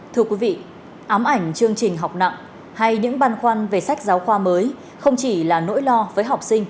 thưa quý vị ám ảnh chương trình học nặng hay những băn khoăn về sách giáo khoa mới không chỉ là nỗi lo với học sinh